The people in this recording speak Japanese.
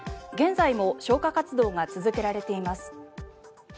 現在も消火活動が続けられています。